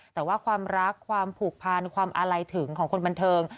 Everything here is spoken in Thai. แต่ว่าความรักความผูกพันความอาลัยถึงของคนบันเทิง